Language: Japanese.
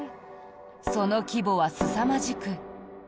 その規模はすさまじく。